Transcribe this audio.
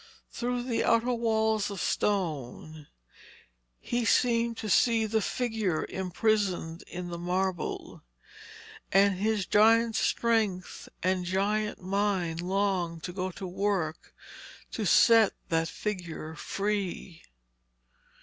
Through the outer walls of stone he seemed to see the figure imprisoned in the marble, and his giant strength and giant mind longed to go to work to set that figure free.